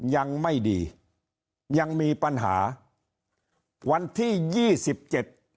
ยังไม่ดียังมีปัญหาวันที่ยี่สิบเจ็ด